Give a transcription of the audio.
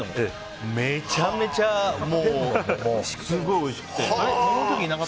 めちゃめちゃすごいおいしくて。